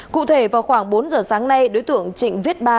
cụ thể vào khoảng bốn giờ sáng nay đối tượng trịnh viết ba